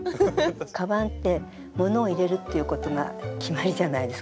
カバンってものを入れるっていうことが決まりじゃないですか。